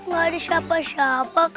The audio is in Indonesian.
gak ada siapa siapa